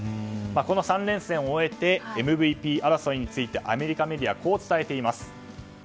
この３連戦を終えてＭＶＰ争いについてアメリカメディアこう伝えています。